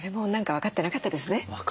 分かってなかったです。